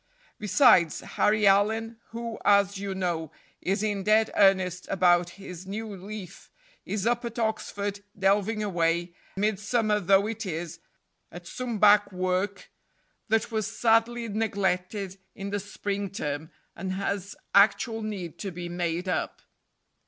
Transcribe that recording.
Besides, Harry Allyn, who, as you know, is in dead earnest about his "new leaf," is up at Oxford delving away, midsummer though it is, at some back work that was sadly neglected in the spring term, and has actual need to be made up.